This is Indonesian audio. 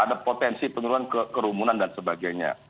ada potensi penurunan kerumunan dan sebagainya